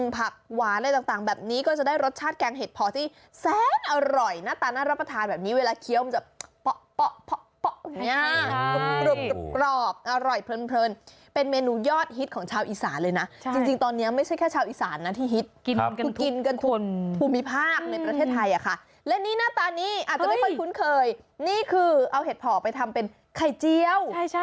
ผักหวานอะไรต่างแบบนี้ก็จะได้รสชาติแกงเห็ดผอที่แซนอร่อย